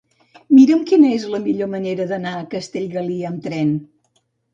Mira'm quina és la millor manera d'anar a Castellgalí amb tren.